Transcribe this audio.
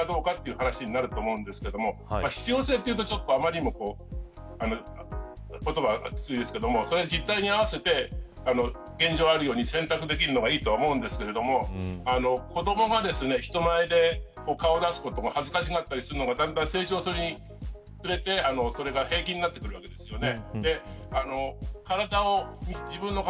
そこでまた男女一緒にやるかどうかという話になると思うんですが必要性というと、あまりにも言葉がきついですけれども実態に合わせて現状あるように、選択できるのがいいと思うんですけれども子どもが人前で顔を出すことも恥ずかしがったりするのが成長するにつれてそれが平気になってくるわけですよね。